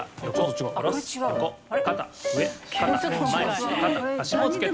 「横肩上肩前肩足もつけて」